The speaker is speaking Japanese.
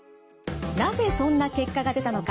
なぜそんな結果が出たのか。